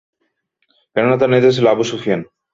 কেননা, তার নেতা ছিল আবু সুফিয়ান।